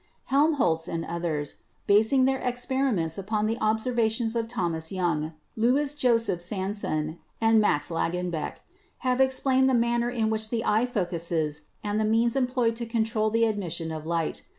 Helmholtz and others, basing their experiments upon the observations of Thomas Young, Louis Joseph Sanson and Max Lagen beck, have explained the manner in which the eye focuses and the means employed to control the admission of light.